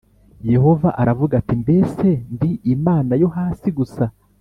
Yehova aravuga ati “mbese ndi Imana yo hasi gusa?”